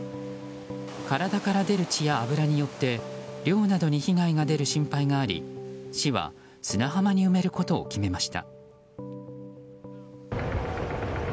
体から出る血や脂によって漁などに被害が出る心配があり市は砂浜に埋めることを決めました。